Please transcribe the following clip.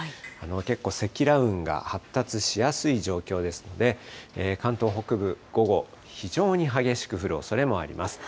結構、積乱雲が発達しやすい状況ですので、関東北部、午後、非常に激しく降るおそれもあります。